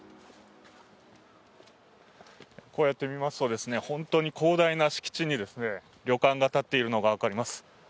こうやって見ますと、本当に広大な敷地に旅館が建っているのが分かります。